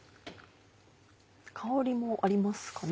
香りもありますかね？